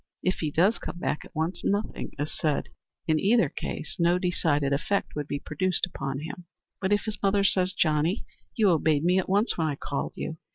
If he does come back at once, nothing is said. In either case no decided effect would be produced upon him. But if his mother says, "Johnny, you obeyed me at once when I called you.